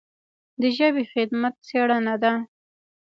د ژبې خدمت څېړنه ده.